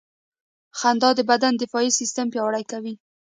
• خندا د بدن دفاعي سیستم پیاوړی کوي.